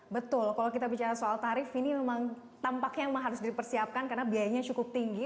betul kalau kita bicara soal tarif ini memang tampaknya memang harus dipersiapkan karena biayanya cukup tinggi